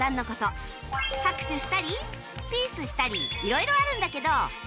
拍手したりピースしたり色々あるんだけど